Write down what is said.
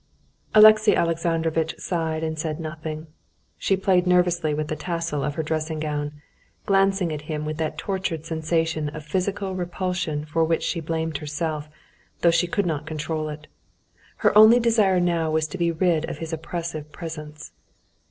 Alexey Alexandrovitch sighed and said nothing. She played nervously with the tassel of her dressing gown, glancing at him with that torturing sensation of physical repulsion for which she blamed herself, though she could not control it. Her only desire now was to be rid of his oppressive presence.